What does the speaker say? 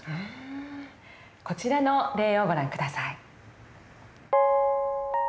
こちらの例をご覧下さい。